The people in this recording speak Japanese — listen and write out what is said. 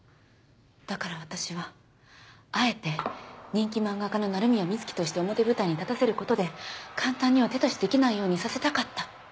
だから私はあえて人気漫画家の鳴宮美月として表舞台に立たせることで簡単には手出しできないようにさせたかった。